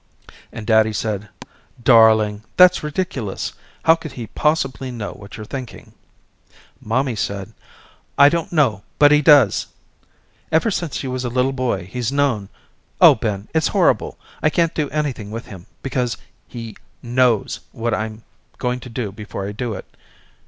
And daddy said darling, that's ridiculous, how could he possibly know what you're thinking? Mommy said I don't know but he does! Ever since he was a little boy he's known oh, Ben, it's horrible, I can't do anything with him because he knows what I'm going to do before I do it.